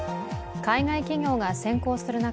海外企業が先行する中